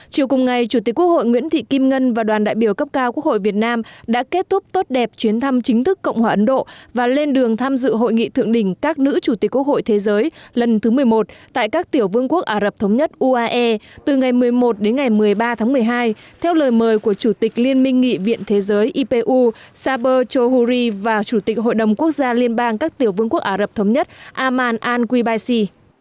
trưa cùng ngày chủ tịch quốc hội nguyễn thị kim ngân và đoàn đại biểu cấp cao quốc hội việt nam đã kết thúc tốt đẹp chuyến thăm chính thức cộng hòa ấn độ và lên đường tham dự hội nghị thượng đỉnh các nữ chủ tịch quốc hội thế giới lần thứ một mươi một tại các tiểu vương quốc ả rập thống nhất uae từ ngày một mươi một đến ngày một mươi ba tháng một mươi hai theo lời mời của chủ tịch liên minh nghị viện thế giới ipu saber chowhuri và chủ tịch hội đồng quốc gia liên bang các tiểu vương quốc ả rập thống nhất aman al qubaisi